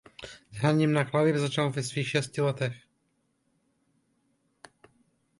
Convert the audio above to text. S hraním na klavír začal ve svých šesti letech.